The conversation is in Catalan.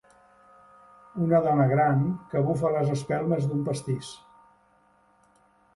Una dona gran, que bufa les espelmes d'un pastís.